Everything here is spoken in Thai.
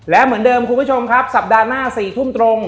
และเหมือนเดิมคุณผู้ชมครับสัปดาห์หน้า๔ทุ่มตรง